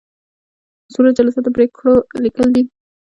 صورت جلسه د پریکړو لیکل دي